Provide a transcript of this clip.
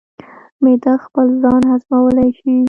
معده خپل ځان هضمولی شي.